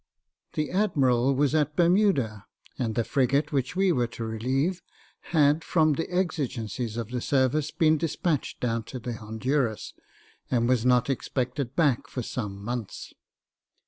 The admiral was at Bermuda, and the frigate which we were to relieve had, from the exigence of the service, been despatched down to the Honduras, and was not expected back for some months.